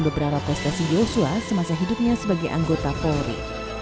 beberapa prestasi yosua semasa hidupnya sebagai anggota polri